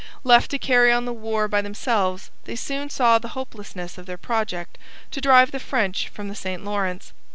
Left to carry on the war by themselves, they soon saw the hopelessness of their project to drive the French from the St Lawrence.